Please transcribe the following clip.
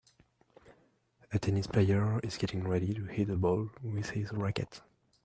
A tennis player is getting ready to hit the ball with his racquet